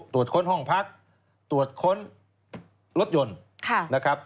ตรวจค้นห้องพักตรวจค้นรถยนต์นะครับ